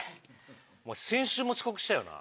お前先週も遅刻したよな？